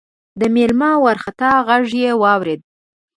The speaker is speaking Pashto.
د مېلمه وارخطا غږ يې واورېد: